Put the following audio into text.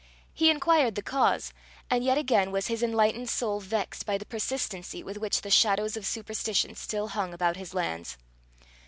He inquired the cause, and yet again was his enlightened soul vexed by the persistency with which the shadows of superstition still hung about his lands.